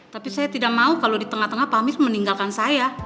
tapi saya tidak mau kalau di tengah tengah pak amir meninggalkan saya